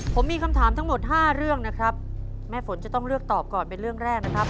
ผมมีคำถามทั้งหมดห้าเรื่องนะครับแม่ฝนจะต้องเลือกตอบก่อนเป็นเรื่องแรกนะครับ